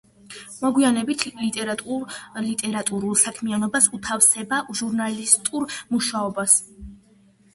მოგვიანებით ლიტერატურულ საქმიანობას უთავსებდა ჟურნალისტურ მუშაობას.